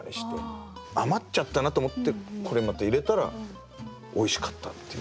余っちゃったなと思ってこれまた入れたらおいしかったっていう。